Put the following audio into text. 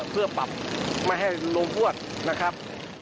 เพื่อปรับไม่ให้ลงพวดนะครับ